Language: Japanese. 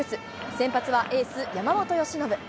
先発はエース、山本由伸。